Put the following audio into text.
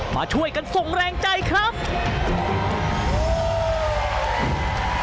มาช่วยกันส่งแรงใจครับ